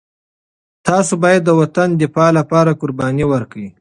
تاسو باید د وطن د دفاع لپاره قرباني ورکړئ.